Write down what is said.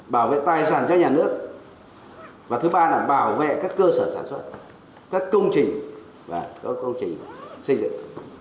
bảo vệ tài sản cho nhà nước và thứ ba là bảo vệ các cơ sở sản xuất các công trình xây dựng